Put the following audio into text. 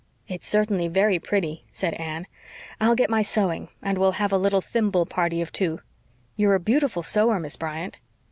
"It's certainly very pretty," said Anne. "I'll get my sewing and we'll have a little thimble party of two. You are a beautiful sewer, Miss Bryant."